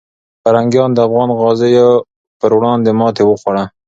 پرنګیان د افغان غازیو پر وړاندې ماتې وخوړله.